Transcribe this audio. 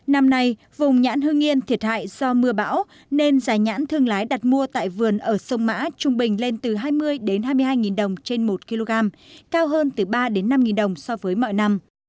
năm nay vùng nhãn hương yên thiệt hại do mưa bão nên giá nhãn thương lái đặt mua tại vườn ở sông mã trung bình lên từ hai mươi hai mươi hai đồng trên một kg cao hơn từ ba năm đồng so với mọi năm